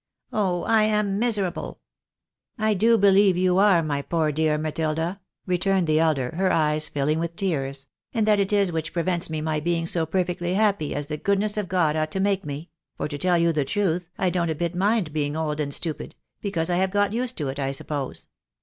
Oh ! I am miserable !"" I do believe you are, my poor dear Matilda," returned tlie elder, her eyes filling with tears, " and that it is which prevents my being so perfectly happy as the goodness of God ought to make me ; for to tell you the truth, I don't a bit mind being old and stupid — because I have got used to it, I suppose.